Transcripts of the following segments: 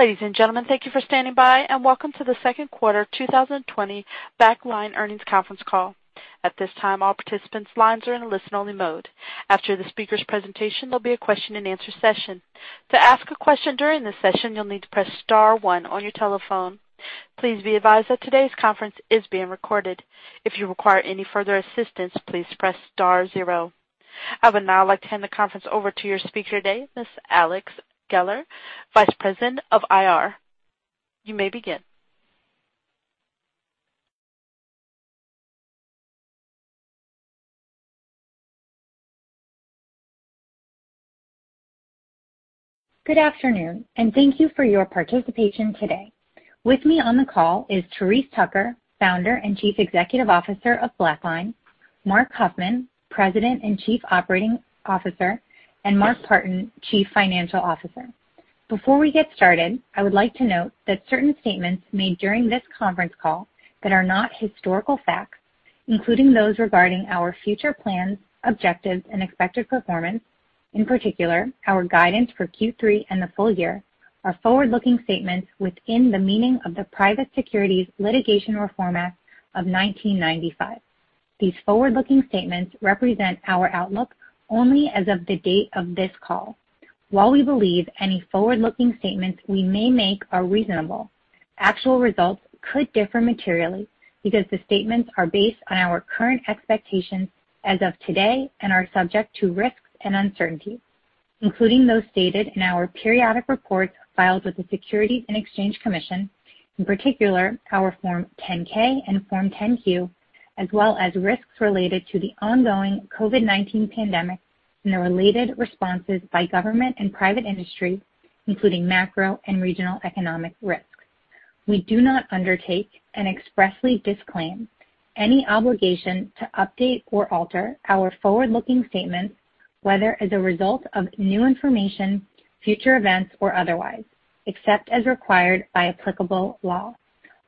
Ladies and gentlemen, thank you for standing by, and welcome to the second quarter 2020 BlackLine Earnings Conference call. At this time, all participants' lines are in listen-only mode. After the speaker's presentation, there'll be a question-and-answer session. To ask a question during this session, you'll need to press star one on your telephone. Please be advised that today's conference is being recorded. If you require any further assistance, please press star zero. I would now like to hand the conference over to your speaker today, Ms. Alex Geller, Vice President of IR. You may begin. Good afternoon, and thank you for your participation today. With me on the call is Therese Tucker, Founder and Chief Executive Officer of BlackLine, Marc Huffman, President and Chief Operating Officer, and Mark Partin, Chief Financial Officer. Before we get started, I would like to note that certain statements made during this conference call that are not historical facts, including those regarding our future plans, objectives, and expected performance, in particular, our guidance for Q3 and the full year, are forward-looking statements within the meaning of the Private Securities Litigation Reform Act of 1995. These forward-looking statements represent our outlook only as of the date of this call. While we believe any forward-looking statements we may make are reasonable, actual results could differ materially because the statements are based on our current expectations as of today and are subject to risks and uncertainties, including those stated in our periodic reports filed with the Securities and Exchange Commission, in particular, our Form 10-K and Form 10-Q, as well as risks related to the ongoing COVID-19 pandemic and the related responses by government and private industry, including macro and regional economic risks. We do not undertake and expressly disclaim any obligation to update or alter our forward-looking statements, whether as a result of new information, future events, or otherwise, except as required by applicable law.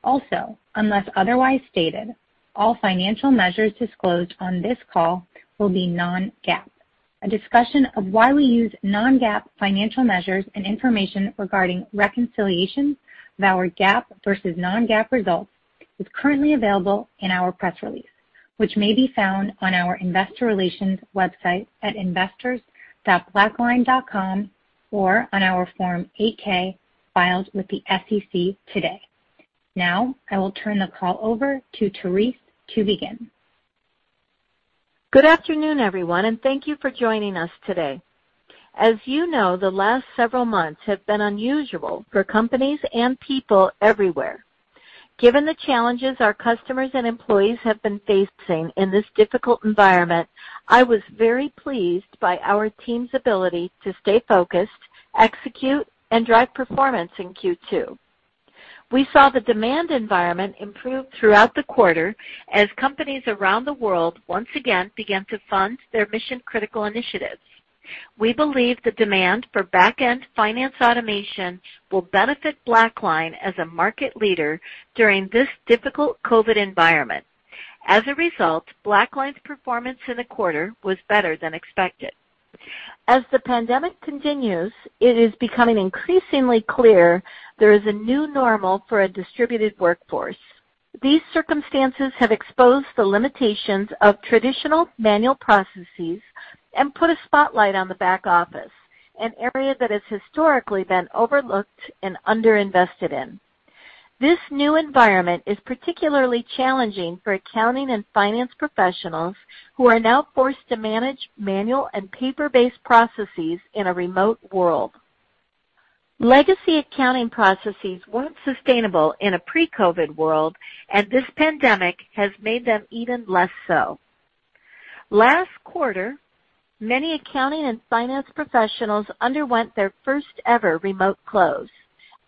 Also, unless otherwise stated, all financial measures disclosed on this call will be non-GAAP. A discussion of why we use non-GAAP financial measures and information regarding reconciliation of our GAAP versus non-GAAP results is currently available in our press release, which may be found on our investor relations website at investors.blackline.com or on our Form 8-K filed with the SEC today. Now, I will turn the call over to Therese to begin. Good afternoon, everyone, and thank you for joining us today. As you know, the last several months have been unusual for companies and people everywhere. Given the challenges our customers and employees have been facing in this difficult environment, I was very pleased by our team's ability to stay focused, execute, and drive performance in Q2. We saw the demand environment improve throughout the quarter as companies around the world once again began to fund their mission-critical initiatives. We believe the demand for back-end finance automation will benefit BlackLine as a market leader during this difficult COVID environment. As a result, BlackLine's performance in the quarter was better than expected. As the pandemic continues, it is becoming increasingly clear there is a new normal for a distributed workforce. These circumstances have exposed the limitations of traditional manual processes and put a spotlight on the back office, an area that has historically been overlooked and underinvested in. This new environment is particularly challenging for accounting and finance professionals who are now forced to manage manual and paper-based processes in a remote world. Legacy accounting processes were not sustainable in a pre-COVID world, and this pandemic has made them even less so. Last quarter, many accounting and finance professionals underwent their first-ever remote close.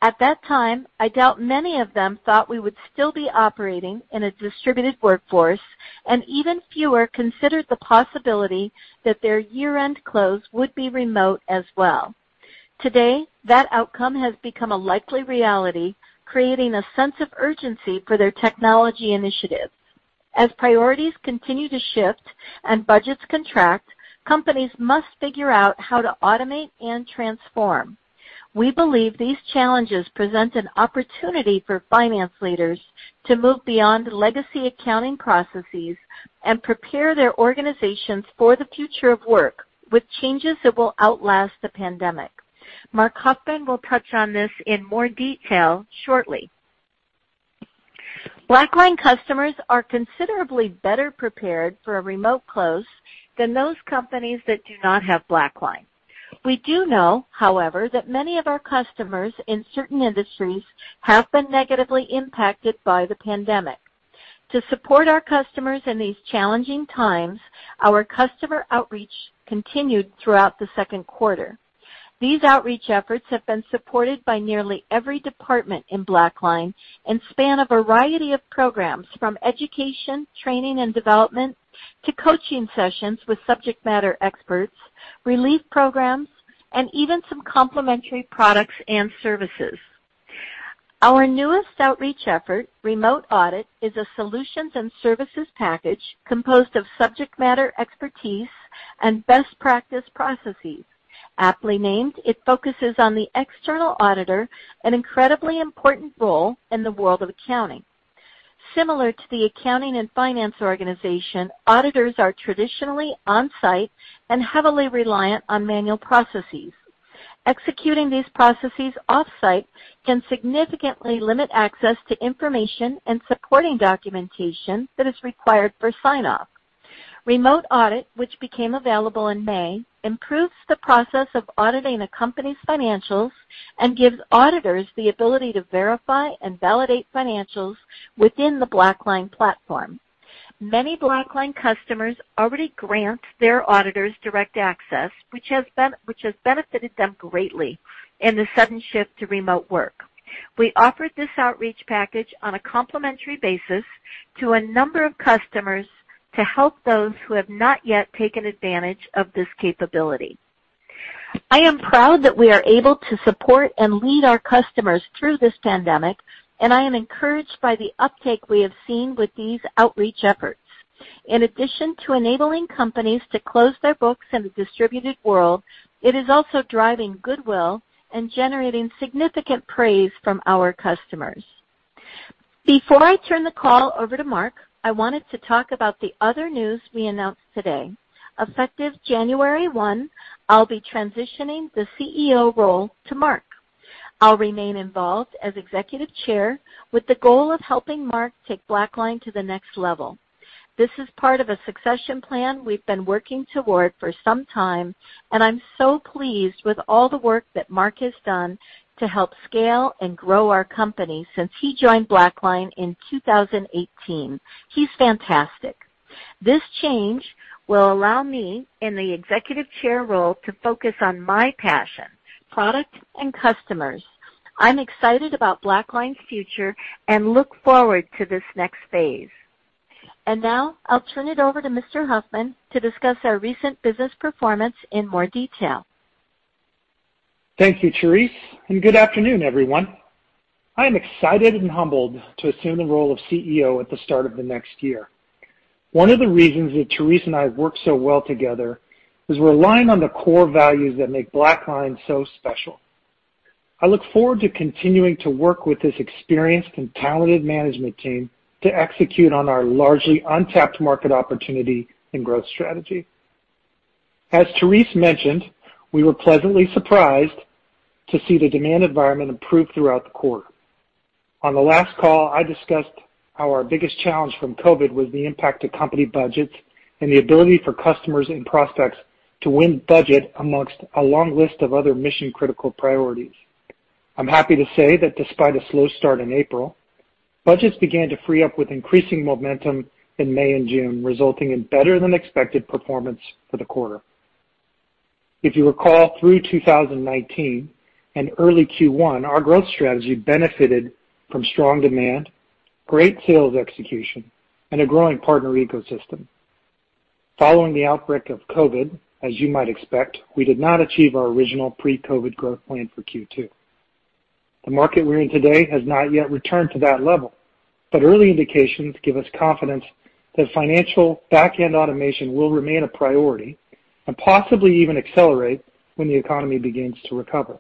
At that time, I doubt many of them thought we would still be operating in a distributed workforce, and even fewer considered the possibility that their year-end close would be remote as well. Today, that outcome has become a likely reality, creating a sense of urgency for their technology initiatives. As priorities continue to shift and budgets contract, companies must figure out how to automate and transform. We believe these challenges present an opportunity for finance leaders to move beyond legacy accounting processes and prepare their organizations for the future of work with changes that will outlast the pandemic. Marc Huffman will touch on this in more detail shortly. BlackLine customers are considerably better prepared for a remote close than those companies that do not have BlackLine. We do know, however, that many of our customers in certain industries have been negatively impacted by the pandemic. To support our customers in these challenging times, our customer outreach continued throughout the second quarter. These outreach efforts have been supported by nearly every department in BlackLine and span a variety of programs, from education, training, and development to coaching sessions with subject matter experts, relief programs, and even some complimentary products and services. Our newest outreach effort, Remote Audit, is a solutions and services package composed of subject matter expertise and best practice processes. Aptly named, it focuses on the external auditor, an incredibly important role in the world of accounting. Similar to the accounting and finance organization, auditors are traditionally on-site and heavily reliant on manual processes. Executing these processes off-site can significantly limit access to information and supporting documentation that is required for sign-off. Remote Audit, which became available in May, improves the process of auditing a company's financials and gives auditors the ability to verify and validate financials within the BlackLine platform. Many BlackLine customers already grant their auditors direct access, which has benefited them greatly in the sudden shift to remote work. We offered this outreach package on a complimentary basis to a number of customers to help those who have not yet taken advantage of this capability. I am proud that we are able to support and lead our customers through this pandemic, and I am encouraged by the uptake we have seen with these outreach efforts. In addition to enabling companies to close their books in the distributed world, it is also driving goodwill and generating significant praise from our customers. Before I turn the call over to Marc, I wanted to talk about the other news we announced today. Effective January 1, I'll be transitioning the CEO role to Marc. I'll remain involved as Executive Chair with the goal of helping Marc take BlackLine to the next level. This is part of a succession plan we've been working toward for some time, and I'm so pleased with all the work that Marc has done to help scale and grow our company since he joined BlackLine in 2018. He's fantastic. This change will allow me in the Executive Chair role to focus on my passion, product, and customers. I'm excited about BlackLine's future and look forward to this next phase. I will turn it over to Mr. Huffman to discuss our recent business performance in more detail. Thank you, Therese, and good afternoon, everyone. I am excited and humbled to assume the role of CEO at the start of the next year. One of the reasons that Therese and I have worked so well together is we're relying on the core values that make BlackLine so special. I look forward to continuing to work with this experienced and talented management team to execute on our largely untapped market opportunity and growth strategy. As Therese mentioned, we were pleasantly surprised to see the demand environment improve throughout the quarter. On the last call, I discussed how our biggest challenge from COVID was the impact to company budgets and the ability for customers and prospects to win budget amongst a long list of other mission-critical priorities. I'm happy to say that despite a slow start in April, budgets began to free up with increasing momentum in May and June, resulting in better-than-expected performance for the quarter. If you recall, through 2019 and early Q1, our growth strategy benefited from strong demand, great sales execution, and a growing partner ecosystem. Following the outbreak of COVID, as you might expect, we did not achieve our original pre-COVID growth plan for Q2. The market we're in today has not yet returned to that level, but early indications give us confidence that financial back-end automation will remain a priority and possibly even accelerate when the economy begins to recover.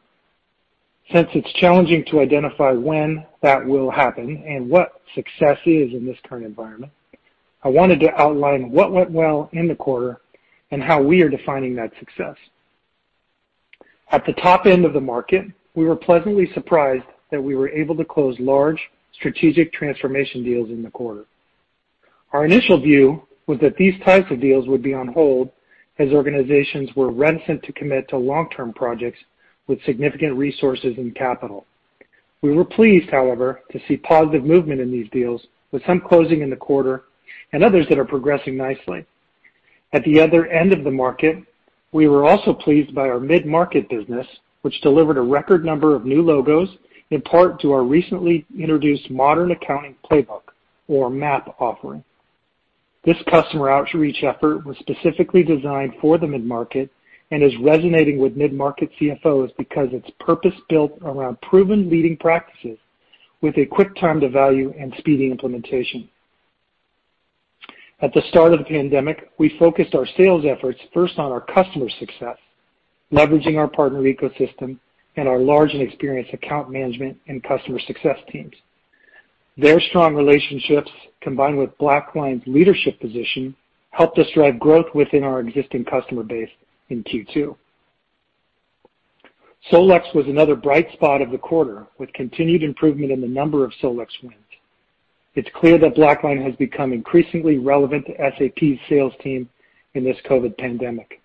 Since it's challenging to identify when that will happen and what success is in this current environment, I wanted to outline what went well in the quarter and how we are defining that success. At the top end of the market, we were pleasantly surprised that we were able to close large, strategic transformation deals in the quarter. Our initial view was that these types of deals would be on hold as organizations were reticent to commit to long-term projects with significant resources and capital. We were pleased, however, to see positive movement in these deals, with some closing in the quarter and others that are progressing nicely. At the other end of the market, we were also pleased by our mid-market business, which delivered a record number of new logos, in part to our recently introduced Modern Accounting Playbook, or MAP, offering. This customer outreach effort was specifically designed for the mid-market and is resonating with mid-market CFOs because it's purpose-built around proven leading practices with a quick time to value and speedy implementation. At the start of the pandemic, we focused our sales efforts first on our customer success, leveraging our partner ecosystem and our large and experienced account management and customer success teams. Their strong relationships, combined with BlackLine's leadership position, helped us drive growth within our existing customer base in Q2. SolEx was another bright spot of the quarter, with continued improvement in the number of Solex wins. It is clear that BlackLine has become increasingly relevant to SAP's sales team in this COVID pandemic.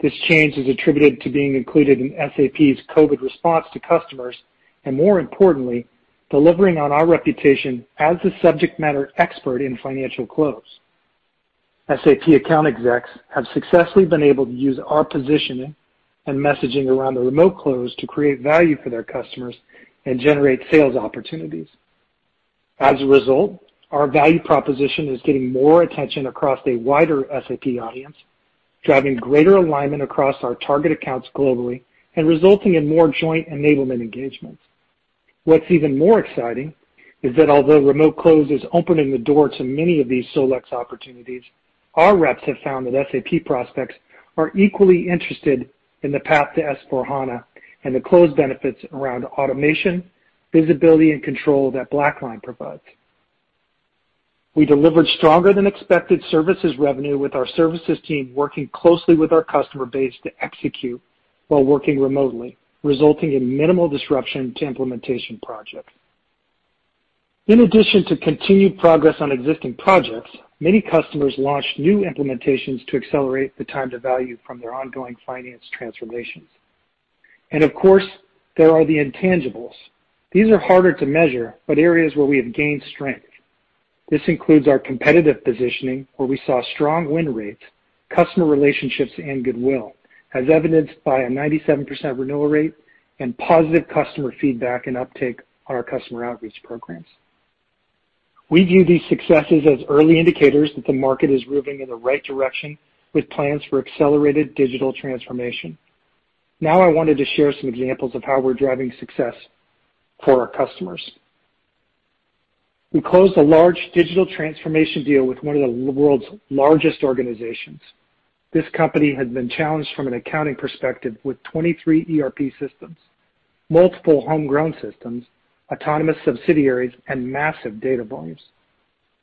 This change is attributed to being included in SAP's COVID response to customers and, more importantly, delivering on our reputation as a subject matter expert in financial close. SAP account execs have successfully been able to use our positioning and messaging around the remote close to create value for their customers and generate sales opportunities. As a result, our value proposition is getting more attention across a wider SAP audience, driving greater alignment across our target accounts globally and resulting in more joint enablement engagements. What is even more exciting is that although remote close is opening the door to many of these Solex opportunities, our reps have found that SAP prospects are equally interested in the path to S/4HANA and the close benefits around automation, visibility, and control that BlackLine provides. We delivered stronger-than-expected services revenue with our services team working closely with our customer base to execute while working remotely, resulting in minimal disruption to implementation projects. In addition to continued progress on existing projects, many customers launched new implementations to accelerate the time to value from their ongoing finance transformations. Of course, there are the intangibles. These are harder to measure, but areas where we have gained strength. This includes our competitive positioning, where we saw strong win rates, customer relationships, and goodwill, as evidenced by a 97% renewal rate and positive customer feedback and uptake on our customer outreach programs. We view these successes as early indicators that the market is moving in the right direction with plans for accelerated digital transformation. Now, I wanted to share some examples of how we're driving success for our customers. We closed a large digital transformation deal with one of the world's largest organizations. This company has been challenged from an accounting perspective with 23 ERP systems, multiple homegrown systems, autonomous subsidiaries, and massive data volumes.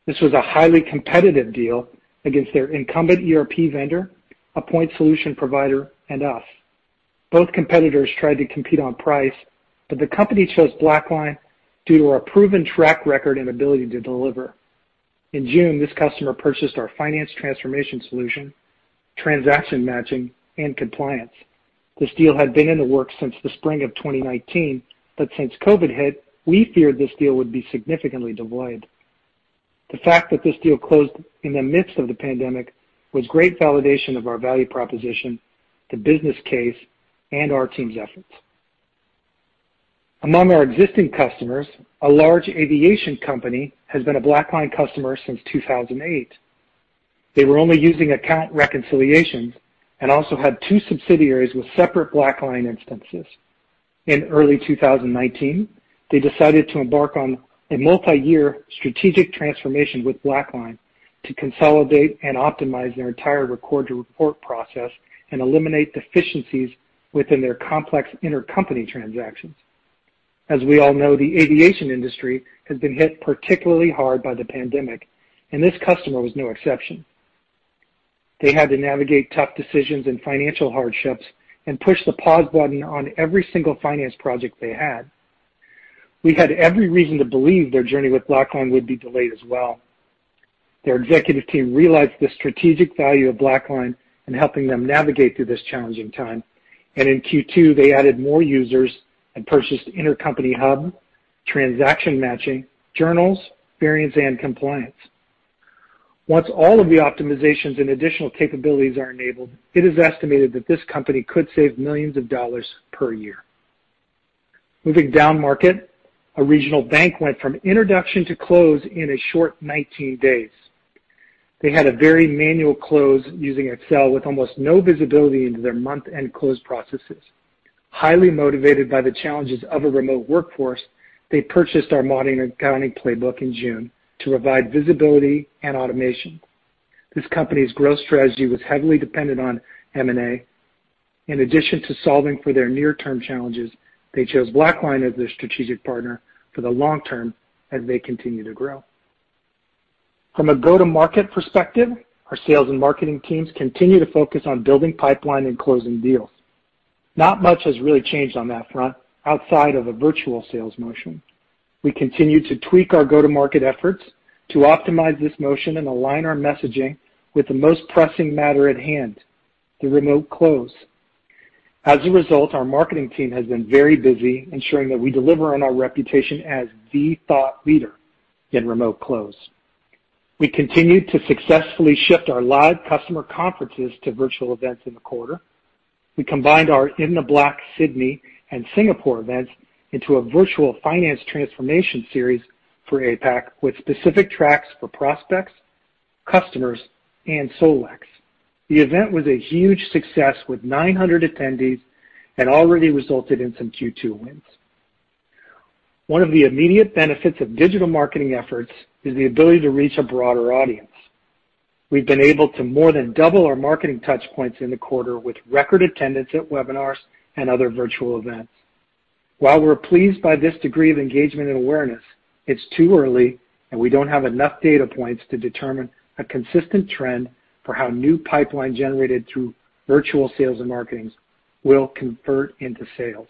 This was a highly competitive deal against their incumbent ERP vendor, a point solution provider, and us. Both competitors tried to compete on price, but the company chose BlackLine due to our proven track record and ability to deliver. In June, this customer purchased our Finance Transformation Solution, Transaction Matching, and Compliance. This deal had been in the works since the spring of 2019, but since COVID hit, we feared this deal would be significantly delayed. The fact that this deal closed in the midst of the pandemic was great validation of our value proposition, the business case, and our team's efforts. Among our existing customers, a large aviation company has been a BlackLine customer since 2008. They were only using account reconciliations and also had two subsidiaries with separate BlackLine instances. In early 2019, they decided to embark on a multi-year strategic transformation with BlackLine to consolidate and optimize their entire record-to-report process and eliminate deficiencies within their complex intercompany transactions. As we all know, the aviation industry has been hit particularly hard by the pandemic, and this customer was no exception. They had to navigate tough decisions and financial hardships and push the pause button on every single finance project they had. We had every reason to believe their journey with BlackLine would be delayed as well. Their executive team realized the strategic value of BlackLine in helping them navigate through this challenging time, and in Q2, they added more users and purchased Intercompany Hub, Transaction Matching, Journals, Variance, and Compliance. Once all of the optimizations and additional capabilities are enabled, it is estimated that this company could save millions of dollars per year. Moving down market, a regional bank went from introduction to close in a short 19 days. They had a very manual close using Excel with almost no visibility into their month-end close processes. Highly motivated by the challenges of a remote workforce, they purchased our Modern Accounting Playbook in June to provide visibility and automation. This company's growth strategy was heavily dependent on M&A. In addition to solving for their near-term challenges, they chose BlackLine as their strategic partner for the long term as they continue to grow. From a go-to-market perspective, our sales and marketing teams continue to focus on building pipeline and closing deals. Not much has really changed on that front outside of a virtual sales motion. We continue to tweak our go-to-market efforts to optimize this motion and align our messaging with the most pressing matter at hand, the remote close. As a result, our marketing team has been very busy ensuring that we deliver on our reputation as the thought leader in remote close. We continued to successfully shift our live customer conferences to virtual events in the quarter. We combined our In The Black Sydney and Singapore events into a virtual finance transformation series for APAC with specific tracks for prospects, customers, and Solex. The event was a huge success with 900 attendees and already resulted in some Q2 wins. One of the immediate benefits of digital marketing efforts is the ability to reach a broader audience. We've been able to more than double our marketing touchpoints in the quarter with record attendance at webinars and other virtual events. While we're pleased by this degree of engagement and awareness, it's too early, and we don't have enough data points to determine a consistent trend for how new pipeline generated through virtual sales and marketings will convert into sales.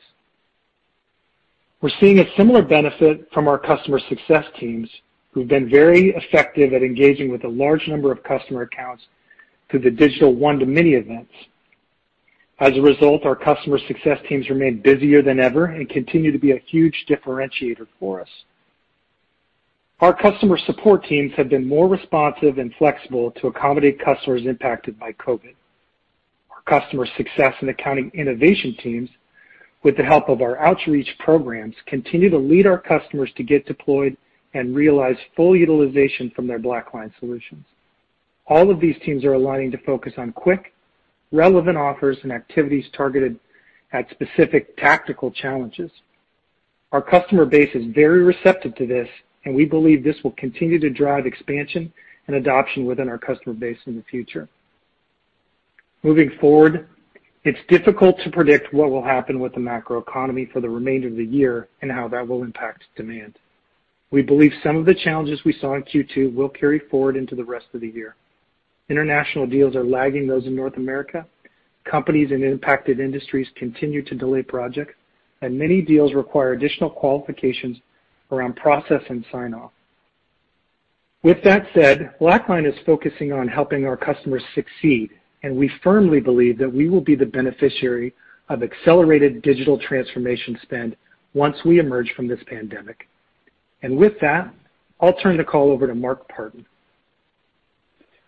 We're seeing a similar benefit from our customer success teams who've been very effective at engaging with a large number of customer accounts through the digital one-to-many events. As a result, our customer success teams remain busier than ever and continue to be a huge differentiator for us. Our customer support teams have been more responsive and flexible to accommodate customers impacted by COVID. Our customer success and accounting innovation teams, with the help of our outreach programs, continue to lead our customers to get deployed and realize full utilization from their BlackLine solutions. All of these teams are aligning to focus on quick, relevant offers and activities targeted at specific tactical challenges. Our customer base is very receptive to this, and we believe this will continue to drive expansion and adoption within our customer base in the future. Moving forward, it's difficult to predict what will happen with the macroeconomy for the remainder of the year and how that will impact demand. We believe some of the challenges we saw in Q2 will carry forward into the rest of the year. International deals are lagging those in North America. Companies in impacted industries continue to delay projects, and many deals require additional qualifications around process and sign-off. With that said, BlackLine is focusing on helping our customers succeed, and we firmly believe that we will be the beneficiary of accelerated digital transformation spend once we emerge from this pandemic. I will turn the call over to Mark Partin.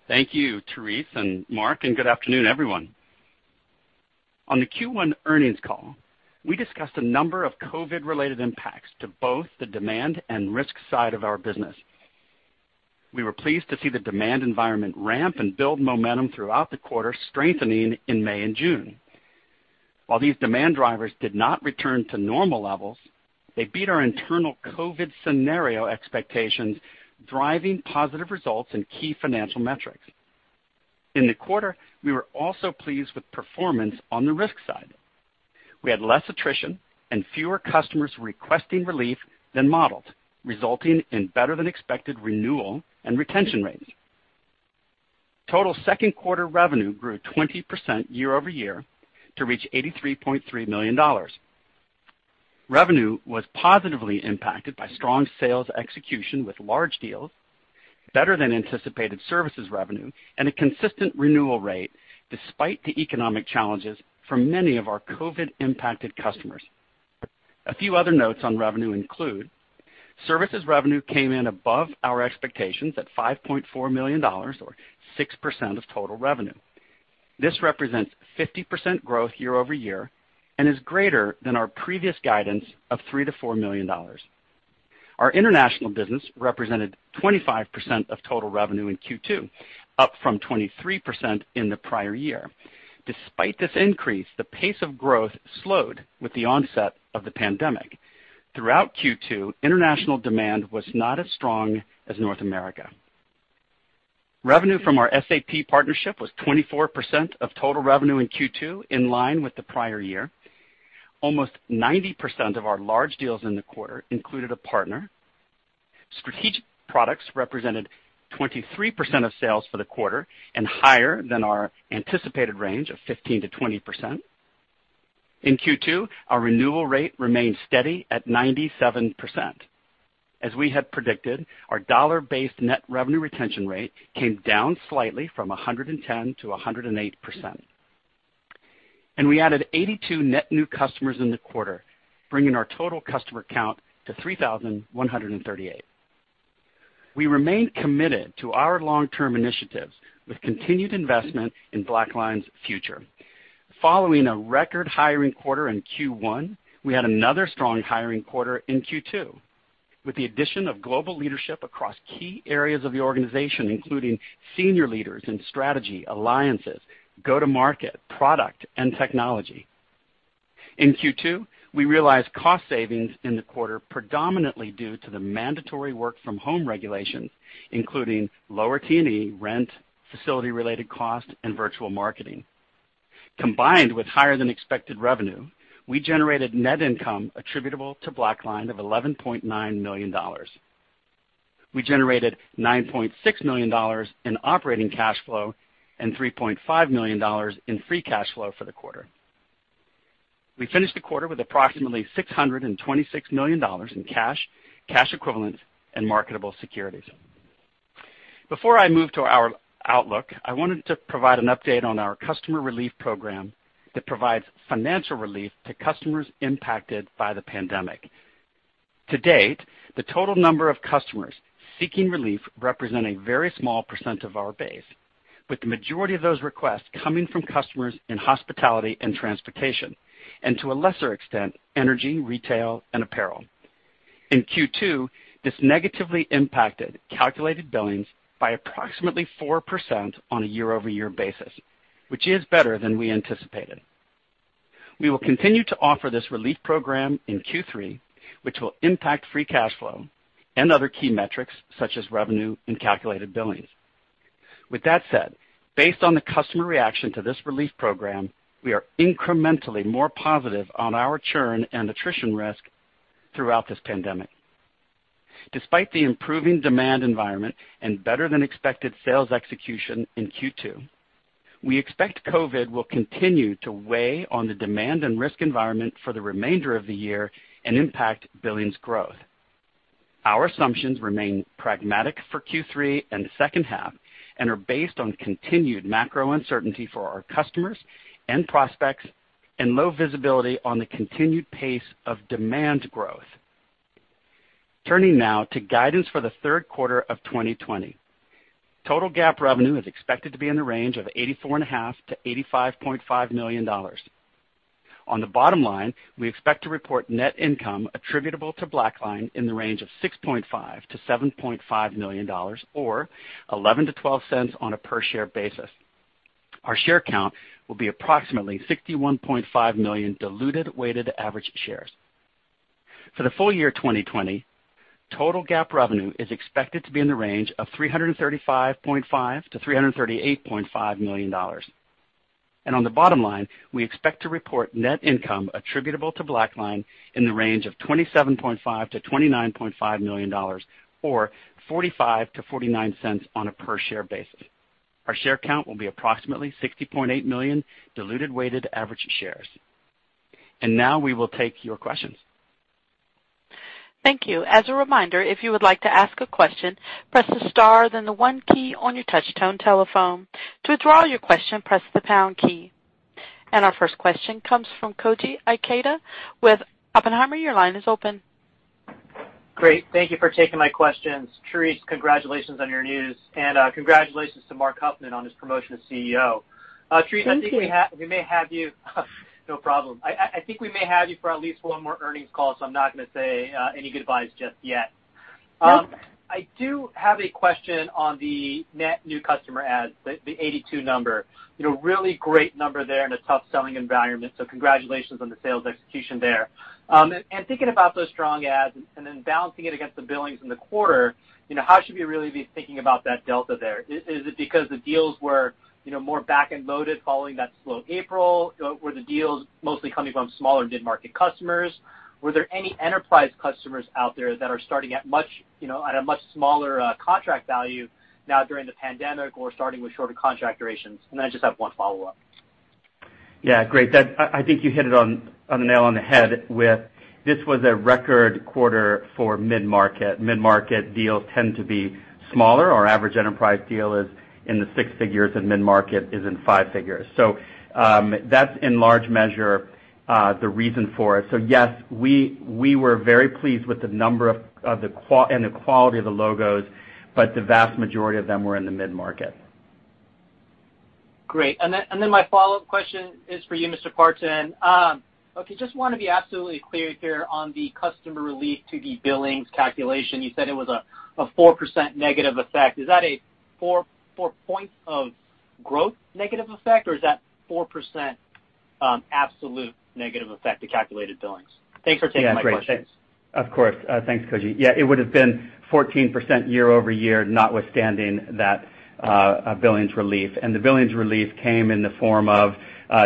Thank you, Therese and Marc, and good afternoon, everyone. On the Q1 earnings call, we discussed a number of COVID-related impacts to both the demand and risk side of our business. We were pleased to see the demand environment ramp and build momentum throughout the quarter, strengthening in May and June. While these demand drivers did not return to normal levels, they beat our internal COVID scenario expectations, driving positive results in key financial metrics. In the quarter, we were also pleased with performance on the risk side. We had less attrition and fewer customers requesting relief than modeled, resulting in better-than-expected renewal and retention rates. Total second quarter revenue grew 20% year over year to reach $83.3 million. Revenue was positively impacted by strong sales execution with large deals, better-than-anticipated services revenue, and a consistent renewal rate despite the economic challenges for many of our COVID-impacted customers. A few other notes on revenue include services revenue came in above our expectations at $5.4 million, or 6% of total revenue. This represents 50% growth year over year and is greater than our previous guidance of $3-$4 million. Our international business represented 25% of total revenue in Q2, up from 23% in the prior year. Despite this increase, the pace of growth slowed with the onset of the pandemic. Throughout Q2, international demand was not as strong as North America. Revenue from our SAP partnership was 24% of total revenue in Q2, in line with the prior year. Almost 90% of our large deals in the quarter included a partner. Strategic products represented 23% of sales for the quarter and higher than our anticipated range of 15%-20%. In Q2, our renewal rate remained steady at 97%. As we had predicted, our dollar-based net revenue retention rate came down slightly from 110% to 108%. We added 82 net new customers in the quarter, bringing our total customer count to 3,138. We remained committed to our long-term initiatives with continued investment in BlackLine's future. Following a record hiring quarter in Q1, we had another strong hiring quarter in Q2 with the addition of global leadership across key areas of the organization, including senior leaders in strategy, alliances, go-to-market, product, and technology. In Q2, we realized cost savings in the quarter predominantly due to the mandatory work-from-home regulations, including lower T&E, rent, facility-related costs, and virtual marketing. Combined with higher-than-expected revenue, we generated net income attributable to BlackLine of $11.9 million. We generated $9.6 million in operating cash flow and $3.5 million in free cash flow for the quarter. We finished the quarter with approximately $626 million in cash, cash equivalents, and marketable securities. Before I move to our outlook, I wanted to provide an update on our customer relief program that provides financial relief to customers impacted by the pandemic. To date, the total number of customers seeking relief represents a very small % of our base, with the majority of those requests coming from customers in hospitality and transportation, and to a lesser extent, energy, retail, and apparel. In Q2, this negatively impacted calculated billings by approximately 4% on a year-over-year basis, which is better than we anticipated. We will continue to offer this relief program in Q3, which will impact free cash flow and other key metrics such as revenue and calculated billings. With that said, based on the customer reaction to this relief program, we are incrementally more positive on our churn and attrition risk throughout this pandemic. Despite the improving demand environment and better-than-expected sales execution in Q2, we expect COVID will continue to weigh on the demand and risk environment for the remainder of the year and impact billings growth. Our assumptions remain pragmatic for Q3 and the second half and are based on continued macro uncertainty for our customers and prospects and low visibility on the continued pace of demand growth. Turning now to guidance for the third quarter of 2020, total GAAP revenue is expected to be in the range of $84.5-$85.5 million. On the bottom line, we expect to report net income attributable to BlackLine in the range of $6.5-$7.5 million, or $0.11-$0.12 on a per-share basis. Our share count will be approximately 61.5 million diluted weighted average shares. For the full year 2020, total GAAP revenue is expected to be in the range of $335.5-$338.5 million. On the bottom line, we expect to report net income attributable to BlackLine in the range of $27.5-$29.5 million, or $0.45-$0.49 on a per-share basis. Our share count will be approximately 60.8 million diluted weighted average shares. We will take your questions. Thank you. As a reminder, if you would like to ask a question, press the star, then the one key on your touch-tone telephone. To withdraw your question, press the pound key. Our first question comes from Koji Ikeda with Oppenheimer. Your line is open. Great. Thank you for taking my questions. Therese, congratulations on your news, and congratulations to Marc Huffman on his promotion to CEO. Therese, I think we may have you. No problem. I think we may have you for at least one more earnings call, so I'm not going to say any goodbyes just yet. I do have a question on the net new customer ads, the 82 number. Really great number there in a tough selling environment, so congratulations on the sales execution there. Thinking about those strong ads and then balancing it against the billings in the quarter, how should we really be thinking about that delta there? Is it because the deals were more back-and-forth following that slow April? Were the deals mostly coming from smaller mid-market customers? Were there any enterprise customers out there that are starting at a much smaller contract value now during the pandemic or starting with shorter contract durations? I just have one follow-up. Yeah, great. I think you hit it on the nail on the head with this was a record quarter for mid-market. Mid-market deals tend to be smaller. Our average enterprise deal is in the six figures, and mid-market is in five figures. That is in large measure the reason for it. Yes, we were very pleased with the number and the quality of the logos, but the vast majority of them were in the mid-market. Great. My follow-up question is for you, Mr. Partin. Okay, just want to be absolutely clear here on the customer relief to the billings calculation. You said it was a 4% negative effect. Is that a 4 points of growth negative effect, or is that 4% absolute negative effect to calculated billings? Thanks for taking my question. Of course. Thanks, Koji. Yeah, it would have been 14% year-over-year, notwithstanding that billings relief. The billings relief came in the form of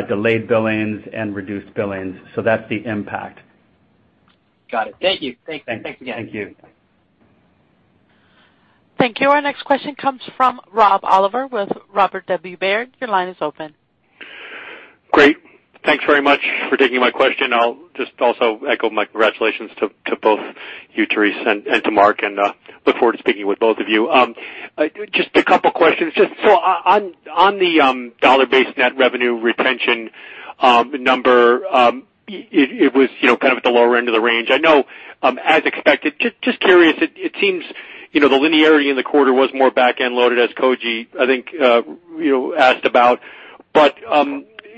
delayed billings and reduced billings. That is the impact. Got it. Thank you. Thanks again. Thank you. Thank you. Our next question comes from Rob Oliver with Robert W. Baird. Your line is open. Great. Thanks very much for taking my question. I'll just also echo my congratulations to both you, Therese, and to Mark, and look forward to speaking with both of you. Just a couple of questions. On the dollar-based net revenue retention number, it was kind of at the lower end of the range. I know, as expected, just curious, it seems the linearity in the quarter was more back-and-forward, as Koji, I think, asked about.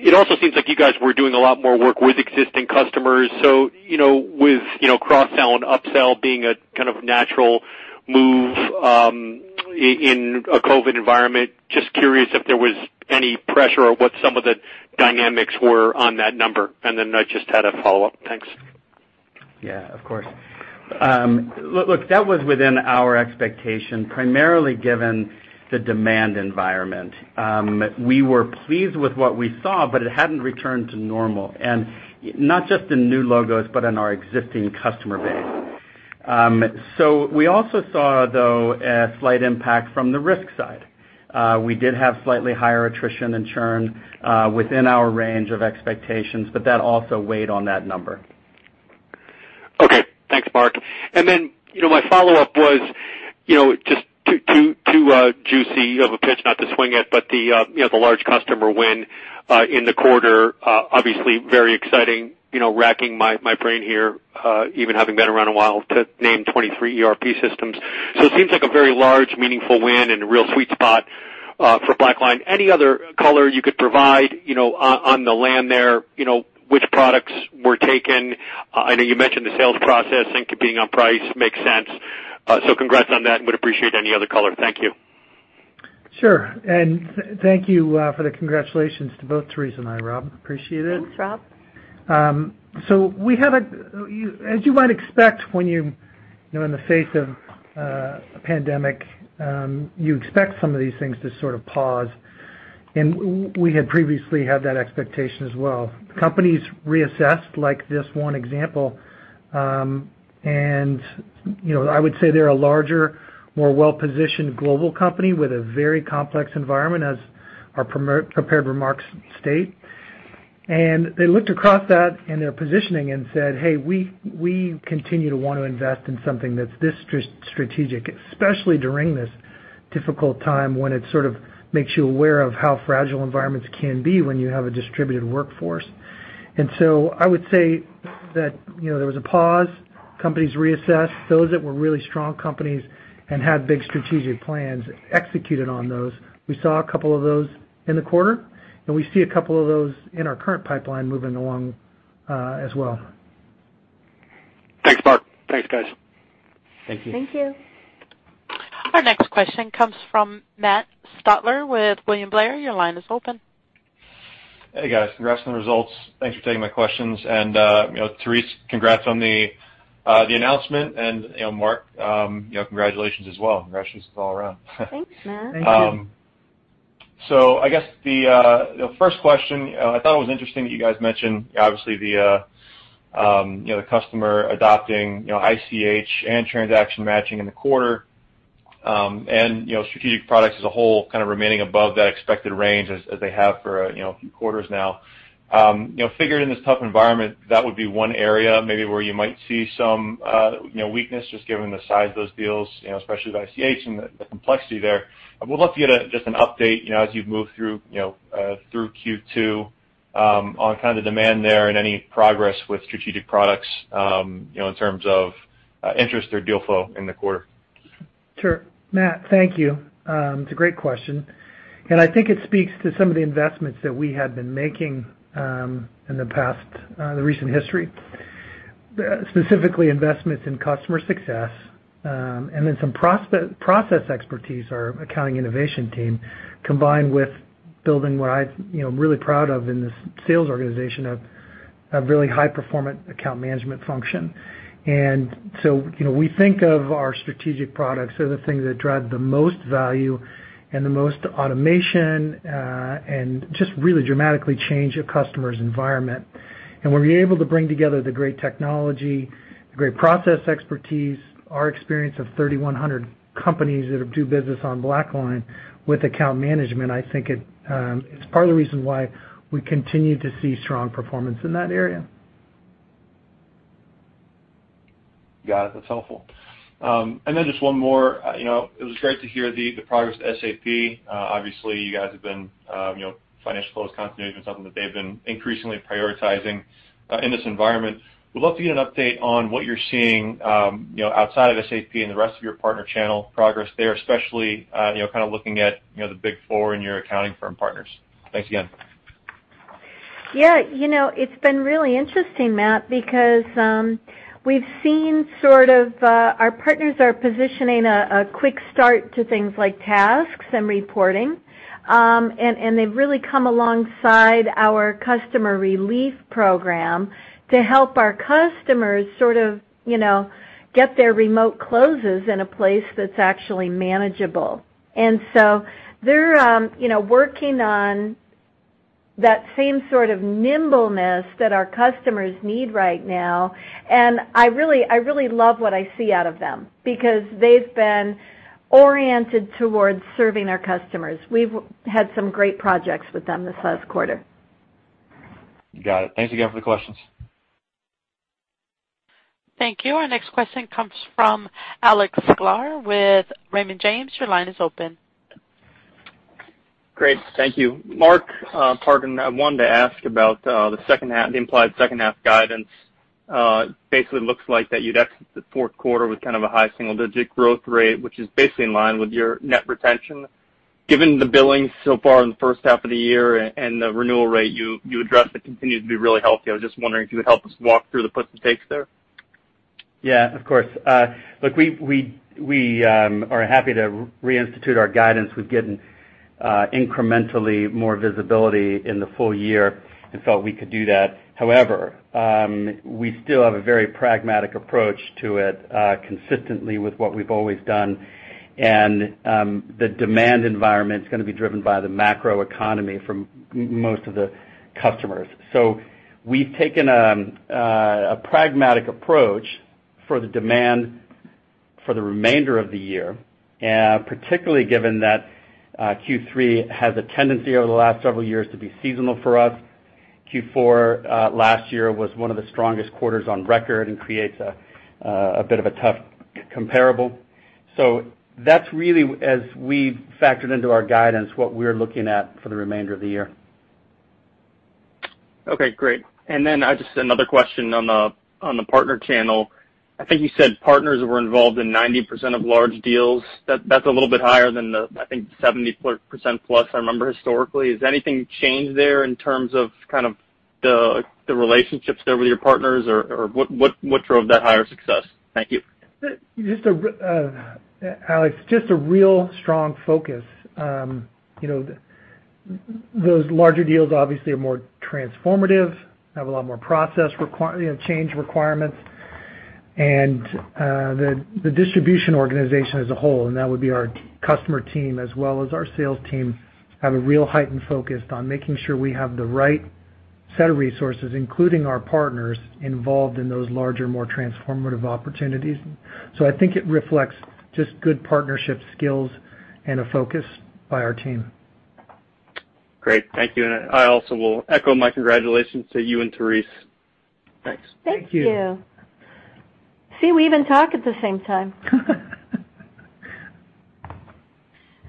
It also seems like you guys were doing a lot more work with existing customers. With cross-sell and upsell being a kind of natural move in a COVID environment, just curious if there was any pressure or what some of the dynamics were on that number. I just had a follow-up. Thanks. Yeah, of course. Look, that was within our expectation, primarily given the demand environment. We were pleased with what we saw, but it hadn't returned to normal, and not just in new logos, but in our existing customer base. We also saw, though, a slight impact from the risk side. We did have slightly higher attrition and churn within our range of expectations, but that also weighed on that number. Okay. Thanks, Marc. My follow-up was just too juicy of a pitch not to swing at, but the large customer win in the quarter, obviously very exciting, racking my brain here, even having been around a while, to name 23 ERP systems. It seems like a very large, meaningful win and a real sweet spot for BlackLine. Any other color you could provide on the land there, which products were taken? I know you mentioned the sales process and competing on price makes sense. Congrats on that, and would appreciate any other color. Thank you. Sure. Thank you for the congratulations to both Therese and I, Rob. Appreciate it. Thanks, Rob. We have a, as you might expect, when you're in the face of a pandemic, you expect some of these things to sort of pause. We had previously had that expectation as well. Companies reassessed, like this one example, and I would say they're a larger, more well-positioned global company with a very complex environment, as our prepared remarks state. They looked across that and their positioning and said, "Hey, we continue to want to invest in something that's this strategic, especially during this difficult time when it sort of makes you aware of how fragile environments can be when you have a distributed workforce." I would say that there was a pause. Companies reassessed. Those that were really strong companies and had big strategic plans executed on those. We saw a couple of those in the quarter, and we see a couple of those in our current pipeline moving along as well. Thanks, Mark. Thanks, guys. Thank you. Thank you. Our next question comes from Matt Stotler with William Blair. Your line is open. Hey, guys. Congrats on the results. Thanks for taking my questions. Therese, congrats on the announcement. Mark, congratulations as well. Congratulations all around. Thanks, Matt. Thank you. I guess the first question, I thought it was interesting that you guys mentioned, obviously, the customer adopting ICH and transaction matching in the quarter and strategic products as a whole kind of remaining above that expected range as they have for a few quarters now. Figured in this tough environment, that would be one area maybe where you might see some weakness just given the size of those deals, especially with ICH and the complexity there. I would love to get just an update as you move through Q2 on kind of the demand there and any progress with strategic products in terms of interest or deal flow in the quarter. Sure. Matt, thank you. It's a great question. I think it speaks to some of the investments that we had been making in the recent history, specifically investments in customer success and then some process expertise, our accounting innovation team, combined with building what I'm really proud of in this sales organization of a really high-performant account management function. We think of our strategic products as the thing that drives the most value and the most automation and just really dramatically changes a customer's environment. When we're able to bring together the great technology, the great process expertise, our experience of 3,100 companies that do business on BlackLine with account management, I think it's part of the reason why we continue to see strong performance in that area. Got it. That's helpful. Just one more. It was great to hear the progress of SAP. Obviously, you guys have been financial flows continuing to be something that they've been increasingly prioritizing in this environment. We'd love to get an update on what you're seeing outside of SAP and the rest of your partner channel progress there, especially kind of looking at the Big Four and your accounting firm partners. Thanks again. Yeah. It's been really interesting, Matt, because we've seen sort of our partners are positioning a quick start to things like tasks and reporting, and they've really come alongside our customer relief program to help our customers sort of get their remote closes in a place that's actually manageable. They're working on that same sort of nimbleness that our customers need right now. I really love what I see out of them because they've been oriented towards serving our customers. We've had some great projects with them this last quarter. Got it. Thanks again for the questions. Thank you. Our next question comes from Alex Sklar with Raymond James. Your line is open. Great. Thank you. Mark Partin, I wanted to ask about the implied second-half guidance. It basically looks like that you'd exit the fourth quarter with kind of a high single-digit growth rate, which is basically in line with your net retention. Given the billings so far in the first half of the year and the renewal rate, you addressed that continues to be really healthy. I was just wondering if you could help us walk through the puts and takes there. Yeah, of course. Look, we are happy to reinstitute our guidance. We've gotten incrementally more visibility in the full year and felt we could do that. However, we still have a very pragmatic approach to it consistently with what we've always done. The demand environment is going to be driven by the macro economy for most of the customers. We have taken a pragmatic approach for the demand for the remainder of the year, particularly given that Q3 has a tendency over the last several years to be seasonal for us. Q4 last year was one of the strongest quarters on record and creates a bit of a tough comparable. That is really, as we've factored into our guidance, what we're looking at for the remainder of the year. Okay. Great. Just another question on the partner channel. I think you said partners were involved in 90% of large deals. That is a little bit higher than the, I think, 70% plus I remember historically. Has anything changed there in terms of the relationships with your partners, or what drove that higher success? Thank you. Just, Alex, just a real strong focus. Those larger deals obviously are more transformative, have a lot more process change requirements. The distribution organization as a whole, and that would be our customer team as well as our sales team, have a real heightened focus on making sure we have the right set of resources, including our partners, involved in those larger, more transformative opportunities. I think it reflects just good partnership skills and a focus by our team. Great. Thank you. I also will echo my congratulations to you and Therese. Thanks. Thank you. Thank you. See, we even talk at the same time.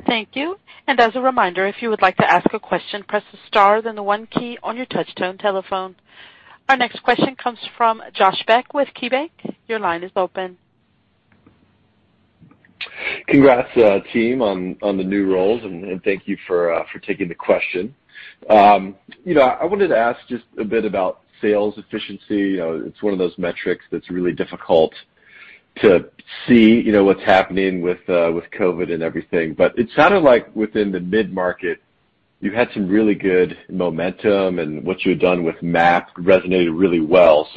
Thank you. As a reminder, if you would like to ask a question, press the star then the one key on your touch-tone telephone. Our next question comes from Josh Beck with KeyBanc. Your line is open. Congrats, team, on the new roles, and thank you for taking the question. I wanted to ask just a bit about sales efficiency. It's one of those metrics that's really difficult to see what's happening with COVID and everything. It sounded like within the mid-market, you had some really good momentum, and what you had done with MAP resonated really well.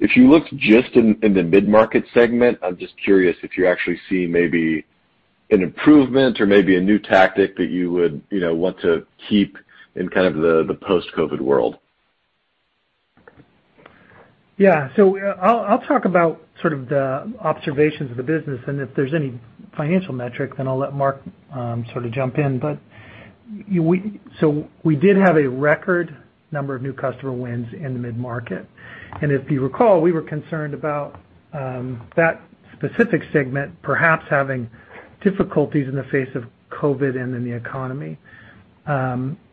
If you looked just in the mid-market segment, I'm just curious if you're actually seeing maybe an improvement or maybe a new tactic that you would want to keep in kind of the post-COVID world. Yeah. I'll talk about sort of the observations of the business. If there's any financial metric, then I'll let Mark sort of jump in. We did have a record number of new customer wins in the mid-market. If you recall, we were concerned about that specific segment perhaps having difficulties in the face of COVID and in the economy.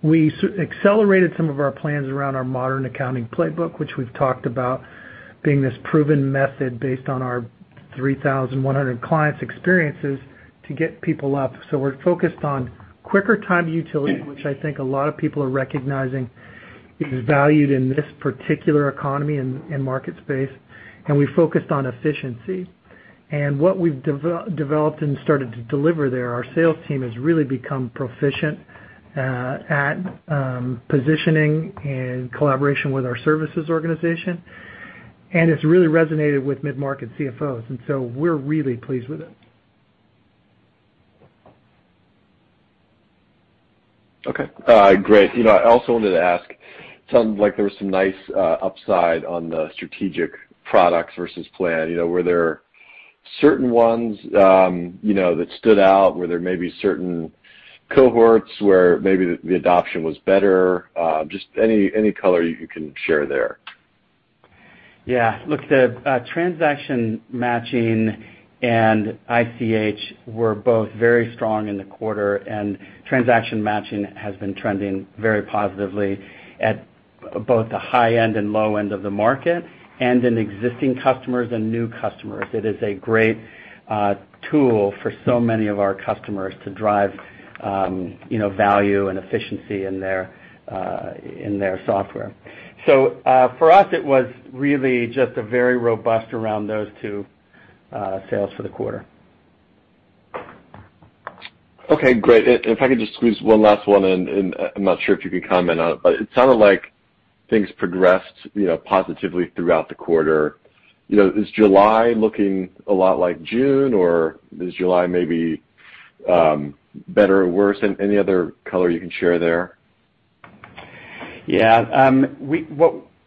We accelerated some of our plans around our Modern Accounting Playbook, which we've talked about being this proven method based on our 3,100 clients' experiences to get people up. We're focused on quicker time utility, which I think a lot of people are recognizing is valued in this particular economy and market space. We focused on efficiency. What we've developed and started to deliver there, our sales team has really become proficient at positioning and collaboration with our services organization. It is really resonated with mid-market CFOs. We are really pleased with it. Okay. Great. I also wanted to ask, it sounded like there was some nice upside on the strategic products versus plan. Were there certain ones that stood out? Were there maybe certain cohorts where maybe the adoption was better? Just any color you can share there. Yeah. Look, the transaction matching and ICH were both very strong in the quarter. And transaction matching has been trending very positively at both the high end and low end of the market and in existing customers and new customers. It is a great tool for so many of our customers to drive value and efficiency in their software. For us, it was really just very robust around those two sales for the quarter. Okay. Great. If I could just squeeze one last one, and I'm not sure if you could comment on it, but it sounded like things progressed positively throughout the quarter. Is July looking a lot like June, or is July maybe better or worse? Any other color you can share there? Yeah.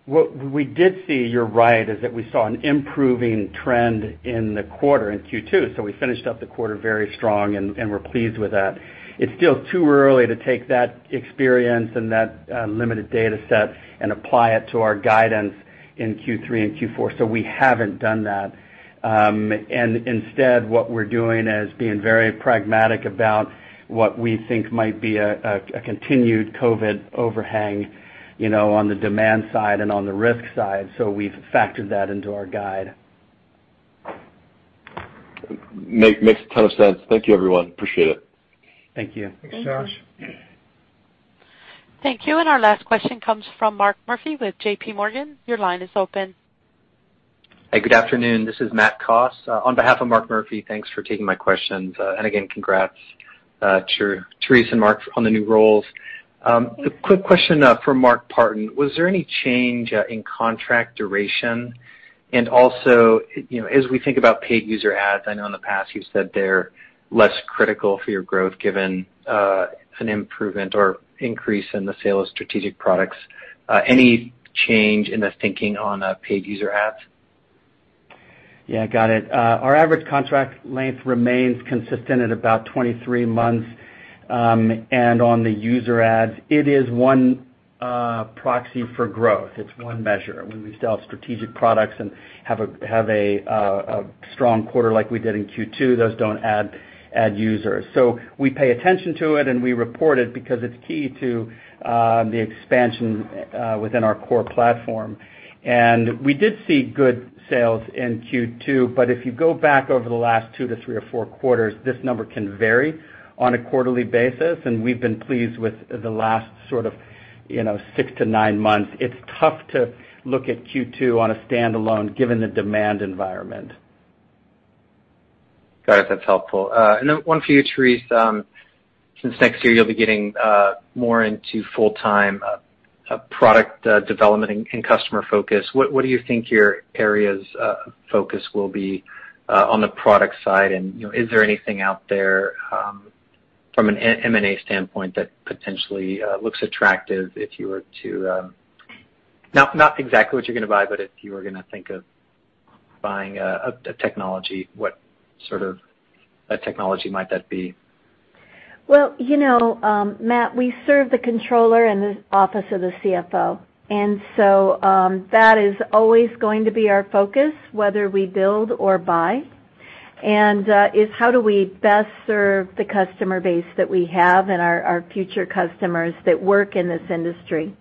What we did see, you're right, is that we saw an improving trend in the quarter in Q2. We finished up the quarter very strong and were pleased with that. It's still too early to take that experience and that limited data set and apply it to our guidance in Q3 and Q4. We haven't done that. Instead, what we're doing is being very pragmatic about what we think might be a continued COVID overhang on the demand side and on the risk side. We've factored that into our guide. Makes a ton of sense. Thank you, everyone. Appreciate it. Thank you. Thanks, Josh. Thank you. Our last question comes from Mark Murphy with JPMorgan. Your line is open. Hey, good afternoon. This is Matt Coss. On behalf of Mark Murphy, thanks for taking my questions. Congrats to Therese and Mark on the new roles. A quick question for Mark Partin. Was there any change in contract duration? Also, as we think about paid user ads, I know in the past you said they're less critical for your growth given an improvement or increase in the sale of strategic products. Any change in the thinking on paid user ads? Yeah, got it. Our average contract length remains consistent at about 23 months. On the user ads, it is one proxy for growth. It's one measure. When we sell strategic products and have a strong quarter like we did in Q2, those don't add users. We pay attention to it, and we report it because it's key to the expansion within our core platform. We did see good sales in Q2. If you go back over the last two to three or four quarters, this number can vary on a quarterly basis. We've been pleased with the last sort of six to nine months. It's tough to look at Q2 on a standalone given the demand environment. Got it. That's helpful. One for you, Therese. Since next year, you'll be getting more into full-time product development and customer focus. What do you think your area's focus will be on the product side? Is there anything out there from an M&A standpoint that potentially looks attractive if you were to not exactly what you're going to buy, but if you were going to think of buying a technology, what sort of technology might that be? Matt, we serve the controller and the office of the CFO. That is always going to be our focus, whether we build or buy. It is how do we best serve the customer base that we have and our future customers that work in this industry.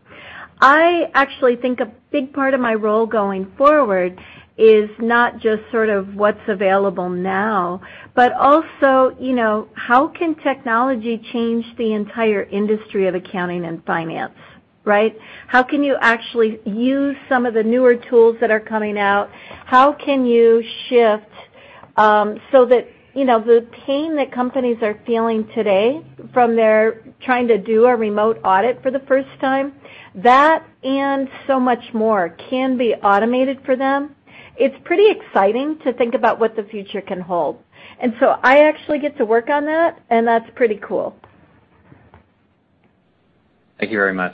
I actually think a big part of my role going forward is not just sort of what is available now, but also how can technology change the entire industry of accounting and finance, right? How can you actually use some of the newer tools that are coming out? How can you shift so that the pain that companies are feeling today from their trying to do a remote audit for the first time, that and so much more can be automated for them? It is pretty exciting to think about what the future can hold. I actually get to work on that, and that's pretty cool. Thank you very much.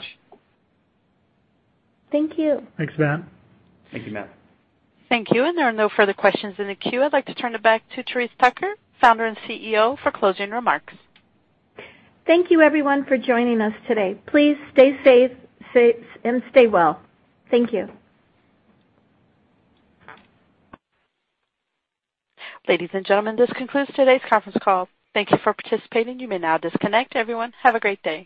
Thank you. Thanks, Matt. Thank you, Matt. Thank you. There are no further questions in the queue. I'd like to turn it back to Therese Tucker, Founder and CEO, for closing remarks. Thank you, everyone, for joining us today. Please stay safe and stay well. Thank you. Ladies and gentlemen, this concludes today's conference call. Thank you for participating. You may now disconnect. Everyone, have a great day.